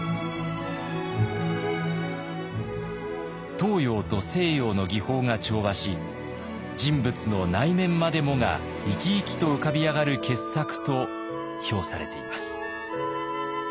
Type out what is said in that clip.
東洋と西洋の技法が調和し人物の内面までもが生き生きと浮かび上がる傑作と評されています。